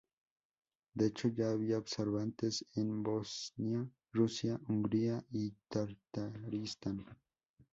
De hecho, ya había observantes en Bosnia, Rusia, Hungría y Tartaristán.